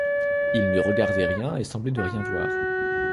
Il ne regardait rien et semblait ne rien voir.